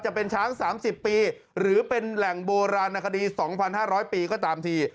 จะเป็นช้าง๓๐ปีหรือเป็นแหล่งโบราณนาคดี๒๕๐๐ปีก็ตามที